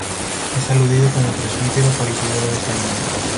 Es aludido como presbítero por Isidoro de Sevilla.